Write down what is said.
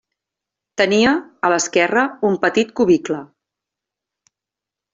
Tenia, a l'esquerra, un petit cubicle.